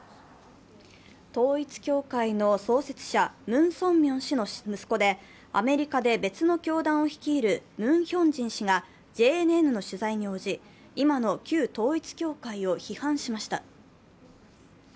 統一教会の創設者、ムン・ソンミョン氏の息子でアメリカで別の教団を率いるムン・ヒョンジン氏がＪＮＮの取材に応じ、今の旧統一教会を批判しました。